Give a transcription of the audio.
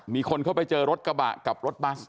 มีคนเข้าไปเจอรถกระบะกับรถบัส